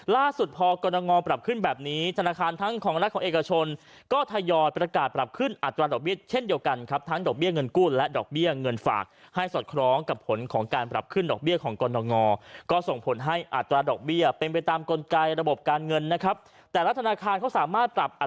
ล่าสุดพอกรณงปรับขึ้นแบบนี้ธนาคารทั้งของรัฐของเอกชนก็ทยอยประกาศปรับขึ้นอัตราดอกเบี้ยเช่นเดียวกันครับทั้งดอกเบี้ยเงินกู้และดอกเบี้ยเงินฝากให้สอดคล้องกับผลของการปรับขึ้นดอกเบี้ยของกรณงก็ส่งผลให้อัตราดอกเบี้ยเป็นไปตามกลไกระบบการเงินนะครับแต่ละธนาคารเขาสามารถปรับอ